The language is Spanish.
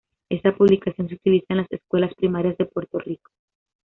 Esa publicación se utiliza en las escuelas primarias de Puerto Rico.